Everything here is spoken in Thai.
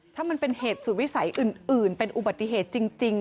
ถ้ามันเป็นเหตุสุดวิสัยอื่นเป็นอุบัติเหตุจริง